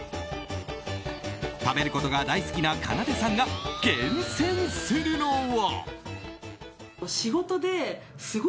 食べることが大好きなかなでさんが厳選するのは。